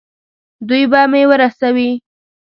دوی به مې ورسوي.